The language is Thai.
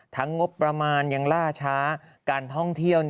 งบประมาณยังล่าช้าการท่องเที่ยว